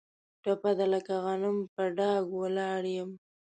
ټپه ده: لکه غنم په ډاګ ولاړ یم.